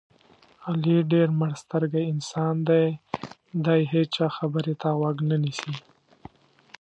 علي ډېر مړسترګی انسان دی دې هېچا خبرې ته غوږ نه نیسي.